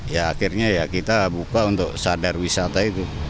jadi akhirnya kita buka untuk sadar wisata